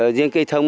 ở riêng cây thông